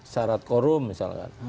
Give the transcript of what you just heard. syarat korum misalkan